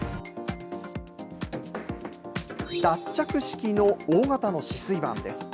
脱着式の大型の止水板です。